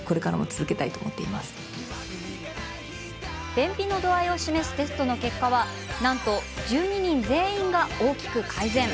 便秘の度合いを示すテストの結果はなんと１２人全員が大きく改善。